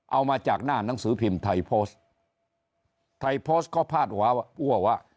เอามาจากหน้านังสือพิมพ์ไทยโพสต์ไทยโพสต์ก็พาดว่า